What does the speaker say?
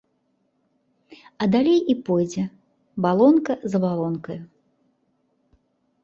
А далей і пойдзе балонка за балонкаю.